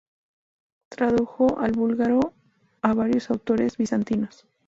Tradujo al búlgaro a varios autores bizantinos.